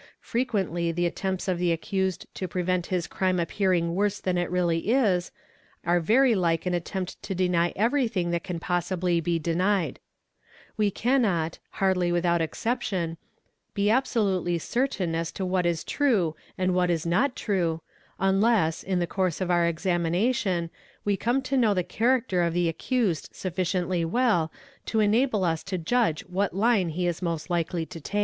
Frequently the attempts o! the accused to prevent his crime appearing worse than it really 1s, are very like an attempt to deny everything that can possibly be denied We cannot, hardly without exception, be absolutely certain as to what is true and what is not true, unless, in the course of our examination we come to know the character of the accused sufficiently well to enabl us to judge what line he is most likely to take.